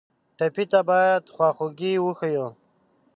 ټپي ته باید خواخوږي وښیو.